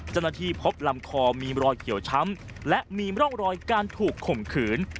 เจ้าหน้าที่พบลำคอมีรอยเขียวช้ำและมีร่องรอยการถูกข่มขืน